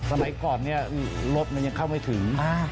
สมัยก่อนเนี่ยรถมันยังเข้าไม่ถึง